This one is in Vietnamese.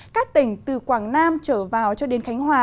các tỉnh từ quảng nam trở vào cho đến khánh hòa